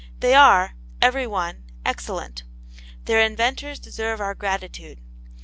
They are, every one, excellent. Their inventors deserve our gratitude.